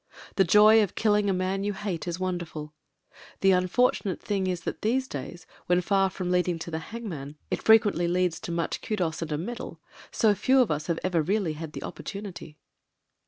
The joy of killing a man you hate is ivonderful ; the unfortunate thing is that in these days, n^hen far from leading to the hangman, it frequently 308 MEN, WOMEN AND GUNS leads to much kudos and a medal, so few of us have ever really had the opportunity.